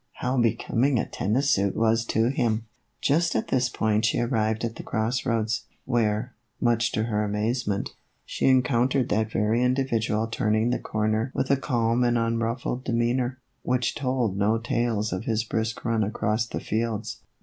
How becoming a tennis suit was to him ! Just at this point she arrived at the cross roads, where, much to her amazement, she encountered that very individual turning the corner with a calm and unruffled demeanor, which told no tales of his brisk run across the fields.